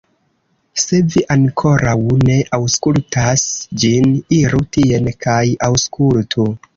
Se vi ankoraŭ ne aŭskultas ĝin, iru tien kaj aŭskultu!